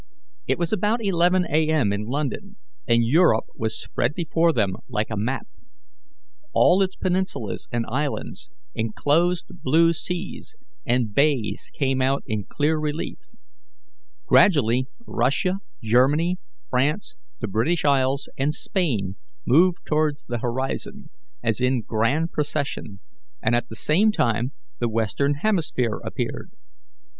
It was about 11 A. M. in London, and Europe was spread before them like a map. All its peninsulas and islands, enclosed blue seas, and bays came out in clear relief. Gradually Russia, Germany, France, the British Isles, and Spain moved towards the horizon, as in grand procession, and at the same time the Western hemisphere appeared.